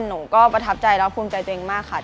หนูก็ประทับใจและภูมิใจตัวเองมากค่ะ